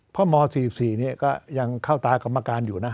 เพราะม๔๔นี้ก็ยังเข้าตากรรมการอยู่นะ